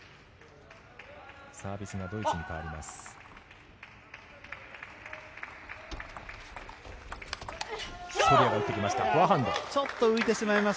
サービスはドイツに変わります。